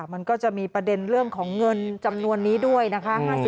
มันก็จะมีประเด็นเรื่องของเงินจำนวนนี้ด้วยนะคะ